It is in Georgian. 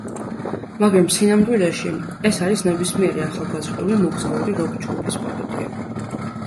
მაგრამ სინამდვილეში ეს არის ნებისმიერი ახალგაზრდული მოგზაური როკ ჯგუფის პაროდია.